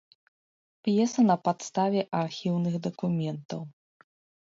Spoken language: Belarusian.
П'еса на падставе архіўных дакументаў.